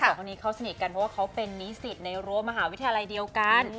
สองคนนี้เขาสนิทกันเพราะว่าเขาเป็นนิสิตในรั้วมหาวิทยาลัยเดียวกัน